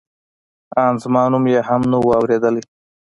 ان زما نوم یې هم نه و اورېدلی.